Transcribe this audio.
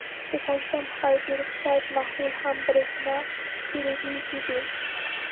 د کلسیم هایدروکساید محلول هم برېښنا تیروونکی دی.